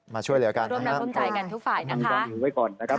มาช่วยเหลือกันนะครับ